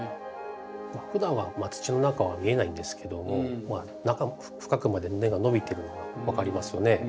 ふだんは土の中は見えないんですけども深くまで根が伸びてるのが分かりますよね。